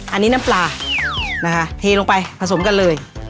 อันนี้น้ำปลานะคะเทลงไปผสมกันเลย